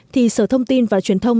thì sở thông tin và truyền thông